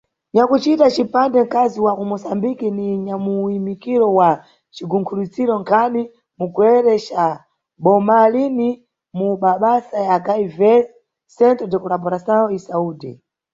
Nyakucita cipande nkazi wa kuMusambiki ni nyamuyimikiro wa cigunkhuliziro nkhani mugwere ca Bomalini mumabasa ya HIV, Centro de Colaboração e Saúde.